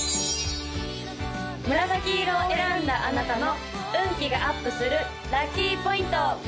紫色を選んだあなたの運気がアップするラッキーポイント！